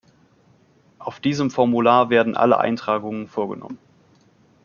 Auf diesem Formular werden alle Eintragungen vorgenommen.